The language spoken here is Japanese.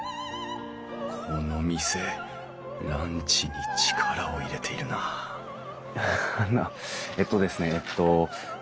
この店ランチに力を入れているなあのえっとですねえっと。